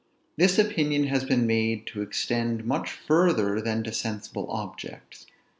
This opinion has been made to extend much further than to sensible objects.